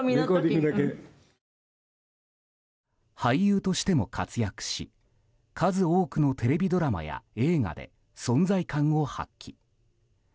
俳優としても活躍し数多くのテレビドラマや映画で存在感を発揮。